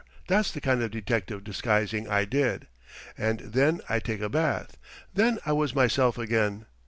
That's the kind of detective disguising I did. And then I'd take a bath. Then I was myself again.